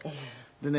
でね